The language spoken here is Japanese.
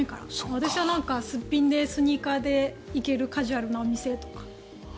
私はすっぴんでスニーカーで行けるカジュアルなお店とか。